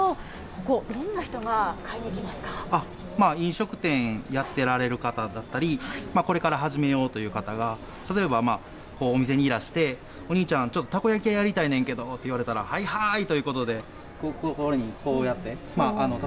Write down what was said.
ここ、どんな人が買いに来ますか飲食店やってられる方だったり、これから始めようという方が、例えばお店にいらして、お兄ちゃん、ちょっとたこ焼き屋やりたいねんけどって言われたら、はいはーいということで、これに、こうやって。